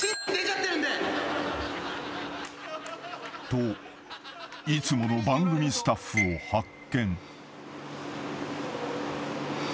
［といつもの番組スタッフを発見］